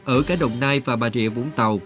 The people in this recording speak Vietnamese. ở cả đồng nai và bà trịa vũng tàu